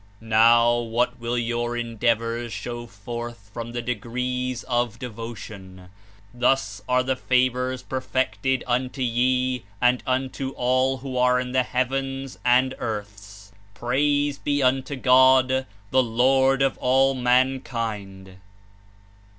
Now, what will your endeavors show forth from the degrees of de votion? Thus are the favors perfected unto ye and unto all who arc in the Heavens and earths. Praise he unto God, the Lord of all mankind!'